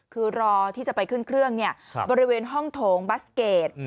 คือรอที่จะไปขึ้นเครื่องบริเวณห้องโถงบัสเกจ